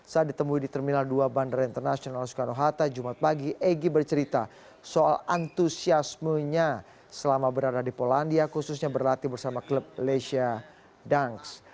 saat ditemui di terminal dua bandara internasional soekarno hatta jumat pagi egy bercerita soal antusiasmenya selama berada di polandia khususnya berlatih bersama klub lesia dangs